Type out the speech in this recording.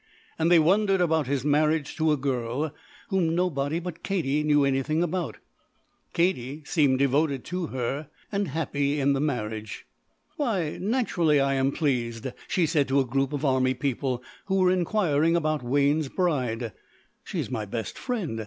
And they wondered about his marriage to a girl whom nobody but Katie knew anything about. Katie seemed devoted to her and happy in the marriage. "Why, naturally I am pleased," she said to a group of army people who were inquiring about Wayne's bride. "She is my best friend.